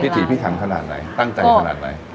ถีพิถันขนาดไหนตั้งใจขนาดไหน